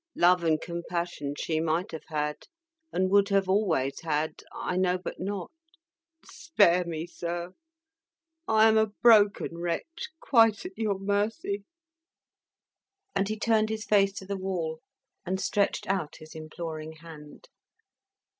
Love and compassion she might have had, and would have always had, I know but not Spare me, sir! I am a broken wretch, quite at your mercy!" And he turned his face to the wall, and stretched out his imploring hand.